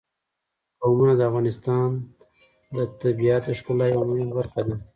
قومونه د افغانستان د طبیعت د ښکلا یوه مهمه برخه ده.